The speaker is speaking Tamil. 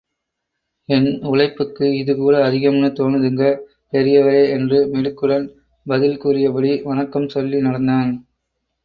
என் உழைப்புக்கு இது கூட அதிகம்னு தோணுதுங்க, பெரியவரே! என்று மிடுக்குடன் பதில் கூறியபடி, வணக்கம் சொல்லி நடந்தான்.